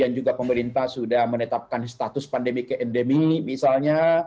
dan juga pemerintah sudah menetapkan status pandemi ke endemi misalnya